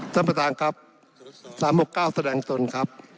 ท่านประธานครับ๓๖๙แสดงตนครับ